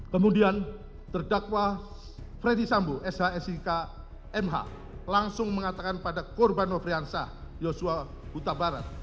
kemudian terdakwa freddy sambu sh sik mh langsung mengatakan pada korban nofriansah yosua utabarat